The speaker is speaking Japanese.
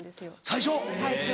最初。